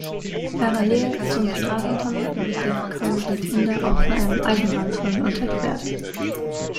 Parallel zum Straßentunnel wird der "Colle di Tenda" auch von einem Eisenbahntunnel unterquert.